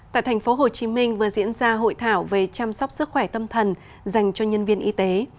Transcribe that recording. tại thành phố hồ chí minh vừa diễn ra hội thảo về chăm sóc sức khỏe tâm thần dành cho nhân viên y tế